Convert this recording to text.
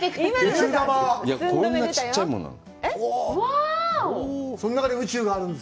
こんなにちっちゃいものなの。